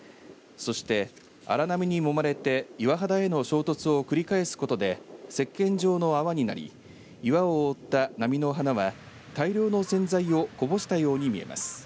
そして荒波にもまれて岩肌への衝突を繰り返すことでせっけん状の泡になり岩を覆った波の花は大量の洗剤をこぼしたように見えます。